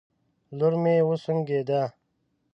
لور مې وسونګېده